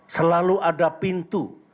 selalu ada pintu